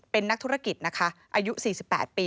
เป็นนักธุรกิจนะคะอายุ๔๘ปี